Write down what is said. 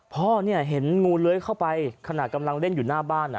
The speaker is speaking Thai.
พ่อเนี่ยเห็นงูเลื้อยเข้าไปขณะกำลังเล่นอยู่หน้าบ้าน